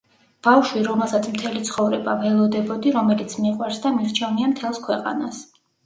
ბავშვი, რომელსაც მთელი ცხოვრება ველოდებოდი, რომელიც მიყვარს და მირჩევნია მთელს ქვეყანას.